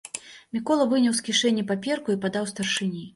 Мікола выняў з кішэні паперку і падаў старшыні.